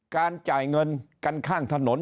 การจ่ายเงินกันข้างถนน